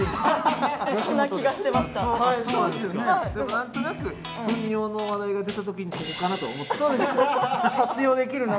何となくふん尿の話題が出たときにここかなと思った。